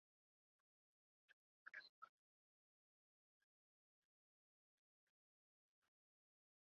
Arabika qahvasining narxi rekord darajada oshdi